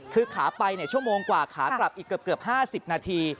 คือขาไปชั่วโมงกว่าขากลับอีกเกือบ๕๐นาที